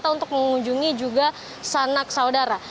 untuk mengunjungi juga sanak saudara